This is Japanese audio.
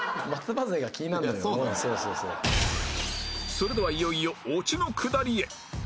それではいよいよオチのくだりへ